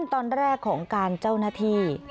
สกัดไม่ให้เผลิงมันลุกลามไปที่ห้องข้างเคียง